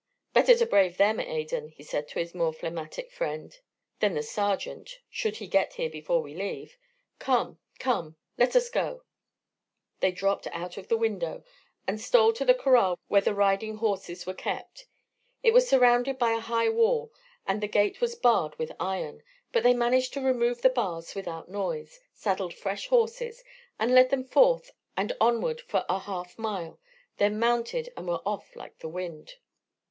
"Better to brave them, Adan," he said to his more phlegmatic friend, "than that sergeant, should he get here before we leave. Come, come, let us go." They dropped out of the window and stole to the corral where the riding horses were kept. It was surrounded by a high wall, and the gate was barred with iron; but they managed to remove the bars without noise, saddled fresh horses and led them forth and onward for a half mile, then mounted and were off like the wind.